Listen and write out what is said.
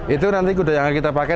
itu nanti kuda yang akan kita pakai